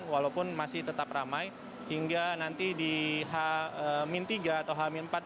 walaupun masih tetap ramai hingga nanti di h tiga atau h empat